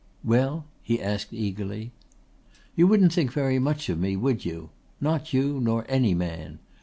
"Well?" he asked eagerly. "You wouldn't think very much of me, would you? Not you nor any man.